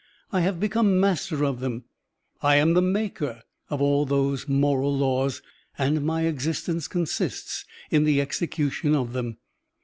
I have become master of them. I am the maker of all those moral laws, and my existence consists in the execution of them.